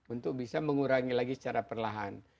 untuk bisa mengurangi lagi secara perlahan